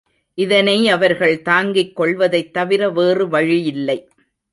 இதனை அவர்கள் தாங்கிக் கொள்வதைத் தவிர வேறு வழியில்லை.